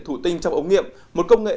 thủ tinh trong ống nghiệm một công nghệ